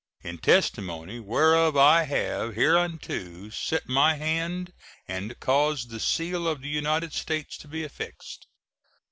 In testimony whereof I have hereunto set my hand and caused the seal of the United States to be affixed.